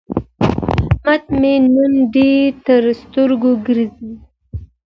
احمد مې نن ډېر تر سترګو ګرځي.